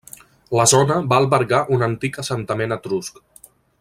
La zona va albergar un antic assentament etrusc.